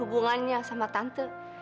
hubungannya sama tante